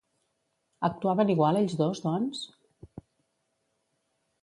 Actuaven igual ells dos, doncs?